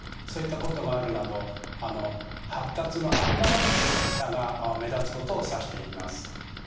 そういったことがあるなど発達のアンバランスさが目立つことを指して言います。